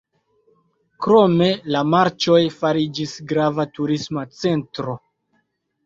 Krome, la marĉoj fariĝis grava turisma centro.